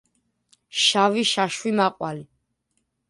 შავი შაშვი მაყვალი